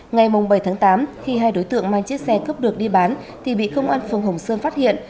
ngày bảy tháng tám khi hai đối tượng mang chiếc xe cướp được đi bán thì bị công an phường hồng sơn phát hiện